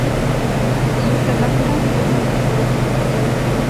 Su Jefatura está en Santiago de Compostela.